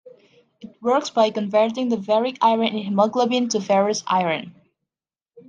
It works by converting the ferric iron in hemoglobin to ferrous iron.